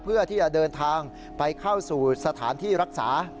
เพื่อที่จะเดินทางไปเข้าสู่สถานที่รักษา